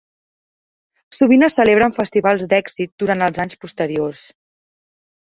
Sovint es celebren festivals d'èxit durant els anys posteriors.